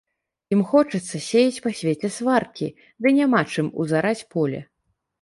Ім хочацца сеяць па свеце сваркі, ды няма чым узараць поле.